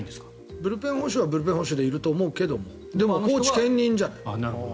ブルペン捕手はブルペン捕手でいると思うけどでもコーチ兼任じゃない。